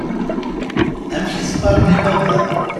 Amek i s-qqaṛen i baba-m?